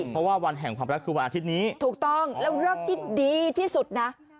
เพราะว่าวันแห่งความรักคือวันอาทิตย์นี้ถูกต้องแล้วเลิกที่ดีที่สุดนะ